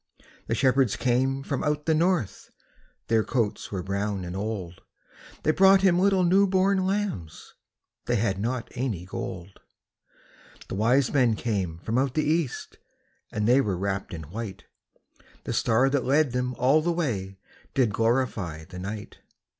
The shepherds came from out the north, Their coats were brown and old, They brought Him little new born lambs They had not any gold. The wise men came from out the east, And they were wrapped in white; The star that led them all the way Did glorify the night.